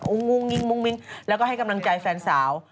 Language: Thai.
อุ่งลังงงแล้วก็ให้กำลังใจแฟนสาว